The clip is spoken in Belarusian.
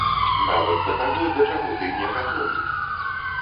Нават да таго, да чаго ты не гатовы!